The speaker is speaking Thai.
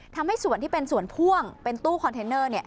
ทำให้ส่วนที่เป็นส่วนพ่วงเป็นตู้คอนเทนเนอร์